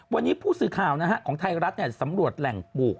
วันนี้ผู้สื่อข่าวของไทยรัฐสำรวจแหล่งปลูก